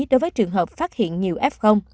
đối với trường hợp phát hiện nhiều f